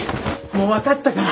もう分かったから！